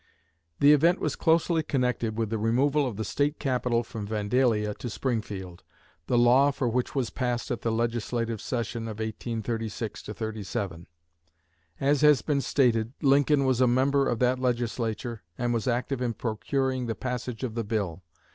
The event was closely connected with the removal of the State capital from Vandalia to Springfield, the law for which was passed at the legislative session of 1836 7. As has been stated, Lincoln was a member of that Legislature and was active in procuring the passage of the bill.